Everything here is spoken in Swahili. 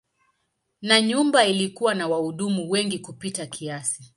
Na nyumba ilikuwa na wahudumu wengi kupita kiasi.